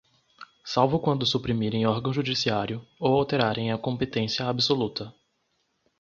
salvo quando suprimirem órgão judiciário ou alterarem a competência absoluta.